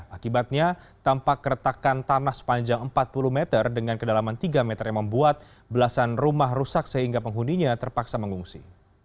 akibatnya tampak keretakan tanah sepanjang empat puluh meter dengan kedalaman tiga meter yang membuat belasan rumah rusak sehingga penghuninya terpaksa mengungsi